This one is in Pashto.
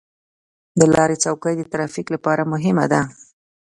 د لارې چوکۍ د ترافیک لپاره مهمه ده.